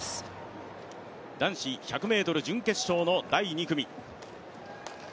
男子１００ｍ準決勝の第２組。